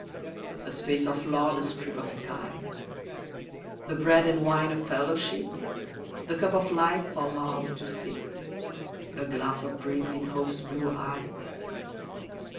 A space of lawn a strip of sky, The bread and wine of fellowship, The cup of life for love to sip, A glass of dreams in Hope's blue eye.